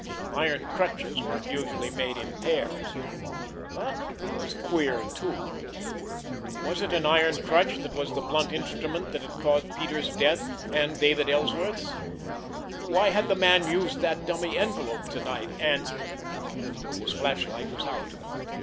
Iron crutches weren't usually made in pairs. That was queer, too! Was it an iron crutch that was the blunt instrument that had caused Peters' death—and David Ellsworth's? Why had the man used that dummy envelope to night, and— His flashlight was out.